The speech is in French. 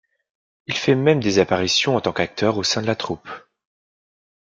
Il fait même des apparitions en tant qu'acteur au sein de la troupe.